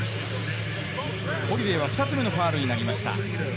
ホリデイは２つ目のファウルとなりました。